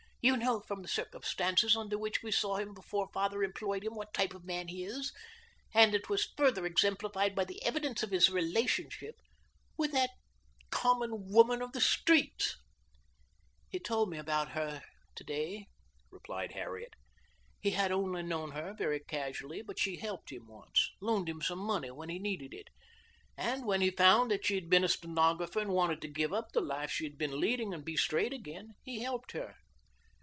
"You know from the circumstances under which we saw him before father employed him what type of man he is, and it was further exemplified by the evidence of his relationship with that common woman of the streets." "He told me about her to day," replied Harriet. "He had only known her very casually, but she helped him once loaned him some money when he needed it and when he found that she had been a stenographer and wanted to give up the life she had been leading and be straight again, he helped her.